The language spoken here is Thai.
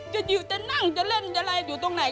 อยู่จะนั่งจะเล่นจะอะไรอยู่ตรงไหน